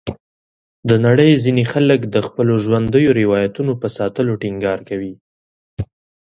د نړۍ ځینې خلک د خپلو ژوندیو روایتونو په ساتلو ټینګار کوي.